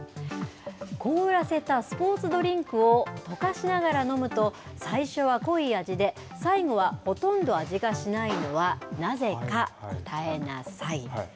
凍らせたスポーツドリンクをとかしながら飲むと、最初は濃い味で、最後はほとんど味がしないのはなぜか答えなさい。